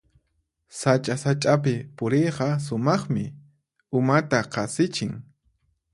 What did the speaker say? Sacha-sachapi puriyqa sumaqmi, umata qasichin.